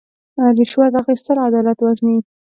رشوت اخیستل عدالت وژني.